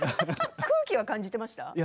空気は感じてました？